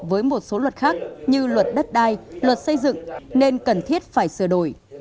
với một số luật khác như luật đất đai luật xây dựng nên cần thiết phải sửa đổi